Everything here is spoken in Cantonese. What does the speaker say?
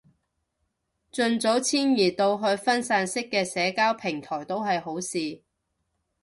盡早遷移到去分散式嘅社交平台都係好事